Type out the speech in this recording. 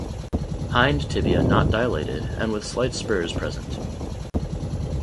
Hind tibia not dilated and with slight spurs present.